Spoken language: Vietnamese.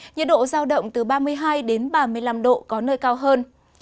nhiệt độ giao động từ ba mươi hai đến ba mươi năm độ có nơi cao hơn